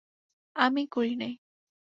আমিই করি নাই।